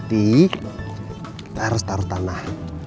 kita harus taruh tanah